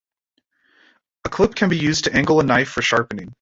A clip can be used to angle a knife for sharpening.